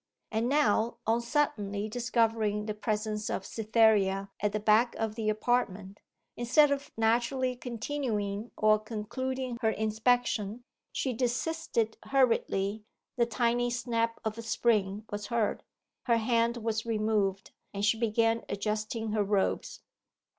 And now on suddenly discovering the presence of Cytherea at the back of the apartment, instead of naturally continuing or concluding her inspection, she desisted hurriedly; the tiny snap of a spring was heard, her hand was removed, and she began adjusting her robes.